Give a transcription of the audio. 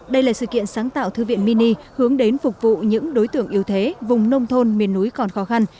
đây là sự kiện sáng tạo thư viện mini hướng đến phục vụ những đối tượng yếu thế vùng nông thôn miền núi còn khó khăn